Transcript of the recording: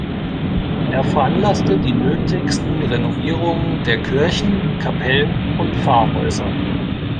Er veranlasste die nötigsten Renovierungen der Kirchen, Kapellen und Pfarrhäuser.